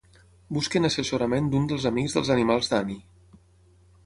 Busquen assessorament d'un dels amics dels animals d'Annie.